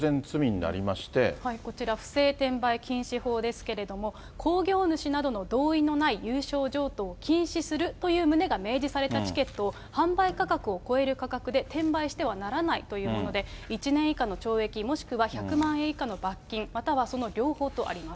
こちら、不正転売禁止法ですけれども、興行主などの同意のない有償譲渡を禁止するという旨が明示されたチケットを販売価格を超える価格で転売してはならないというもので、１年以下の懲役、もしくは１００万円以下の罰金、またはその両方とあります。